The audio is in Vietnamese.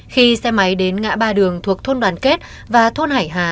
khi xe máy đến ngã ba đường thuộc thôn đoàn kết và thôn hải hà